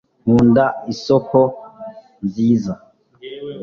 nkunda isoko nziza